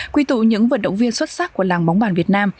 quy tụ những vận động viên xuất sắc của làng bóng bàn việt nam